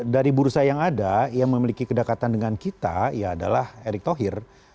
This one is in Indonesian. dari bursa yang ada yang memiliki kedekatan dengan kita ya adalah erick thohir